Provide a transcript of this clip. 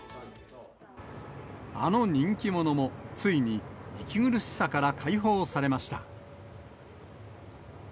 あの人気者も、ついに息苦しさから解放されました。